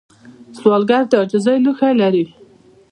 سوالګر د عاجزۍ لوښه لري